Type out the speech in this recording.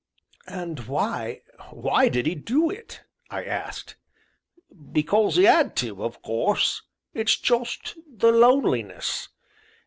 "And why why did he do it?" I asked. "Because 'e 'ad to, o' course it's jest the loneliness.